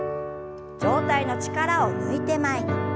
上体の力を抜いて前に。